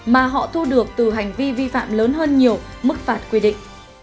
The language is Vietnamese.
mà họ thu được từ hành vi vi phạm lớn hơn nhiều mức phạt quy định